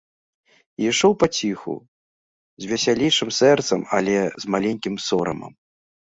І ішоў паціху, з весялейшым сэрцам, але з маленькім сорамам.